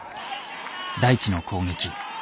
大智の攻撃。